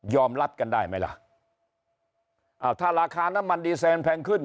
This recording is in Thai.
รับกันได้ไหมล่ะอ่าถ้าราคาน้ำมันดีเซนแพงขึ้น